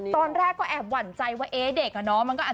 ตอนแรกก็แอบหวั่นใจว่าเอ๊ะเด็กอะเนาะ